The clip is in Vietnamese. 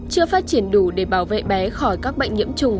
chưa phát triển đủ để bảo vệ bé khỏi các bệnh nhiễm trùng